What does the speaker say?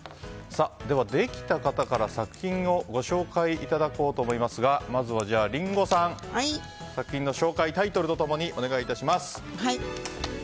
では、できた方から作品をご紹介いただきたいんですがまずはリンゴさん、作品の紹介タイトルと共にお願いします。